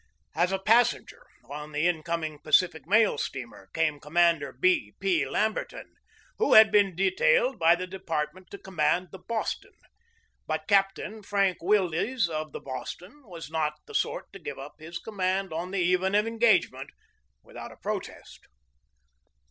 As a passenger on an incoming Pacific Mail steamer came Commander B. P. Lamberton, who had been detailed by the department to com mand the Boston. But Captain Frank Wildes, of the Boston, was not the sort to give up his com mand on the eve of an engagement without a protest.